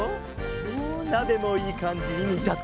おおなべもいいかんじににたってきた。